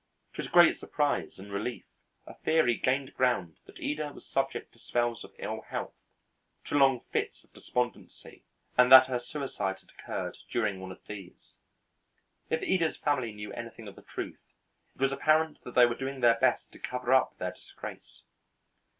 To his great surprise and relief, a theory gained ground that Ida was subject to spells of ill health, to long fits of despondency, and that her suicide had occurred during one of these. If Ida's family knew anything of the truth, it was apparent that they were doing their best to cover up their disgrace.